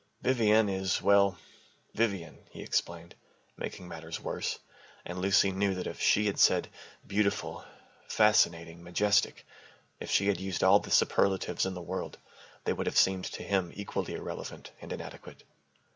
"Vivian is well, Vivian," he explained, making matters worse. And Lucy knew that if she had said "beautiful, fascinating, majestic," if she had used all the superlatives in the world, they would have seemed to him equally irrelevant and inadequate.